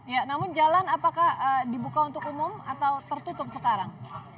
ya namun jalan apakah dibuka untuk umum atau tertutup sekarang